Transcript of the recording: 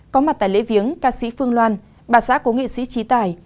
có mặt tại lễ viếng ca sĩ phương loan bà xã cố nghệ sĩ trí tài